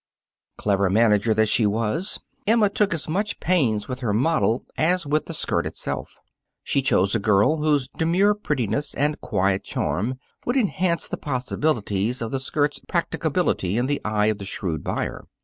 Clever manager that she was, Emma took as much pains with her model as with the skirt itself. She chose a girl whose demure prettiness and quiet charm would enhance the possibilities of the skirt's practicability in the eye of the shrewd buyer.